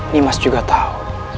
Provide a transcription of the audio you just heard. nimas juga tahu